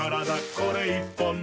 これ１本で」